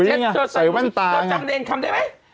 เธอจำเนรคมได้มั้ย